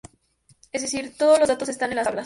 Es decir, todos los datos están en las tablas.